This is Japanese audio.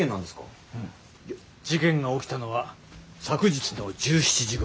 事件が起きたのは昨日の１７時ごろ。